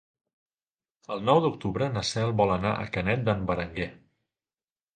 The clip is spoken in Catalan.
El nou d'octubre na Cel vol anar a Canet d'en Berenguer.